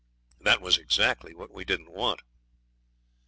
That was exactly what we didn't want.